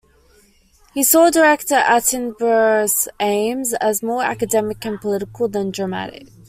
He saw director Attenborough's aims as "more academic and political than dramatic".